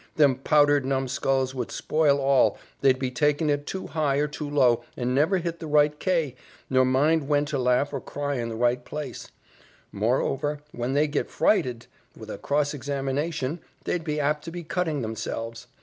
them powdered numskulls would spoil all they'd be taking it too high or too low, and never hit the right kay, nor mind when to laugh or cry in the right place; moreover, when they'd get frighted with a cross examination, they'd be apt to be cutting themselves.